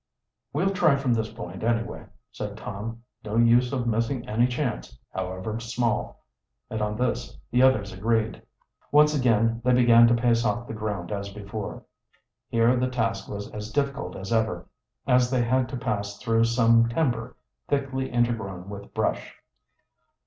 "We'll try from this point, anyway," said Tom. "No use of missing any chance, however small." And on this the others agreed. Once again they began to pace off the ground as before. Here the task was as difficult as ever, as they had to pass through some timber thickly intergrown with brush.